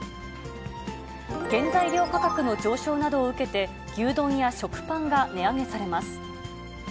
原材料価格の上昇などを受けて、牛丼や食パンが値上げされます。